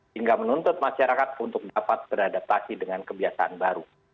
hingga menuntut masyarakat untuk dapat beradaptasi dengan kebiasaan baru